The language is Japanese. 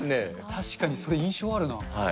確かに、それ、印象あるな。